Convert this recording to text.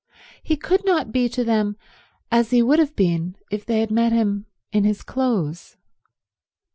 He could not be to them as he would have been if they had met him in his clothes.